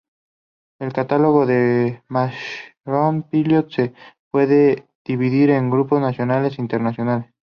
El catálogo de Mushroom Pillow se puede dividir en grupos nacionales e internacionales.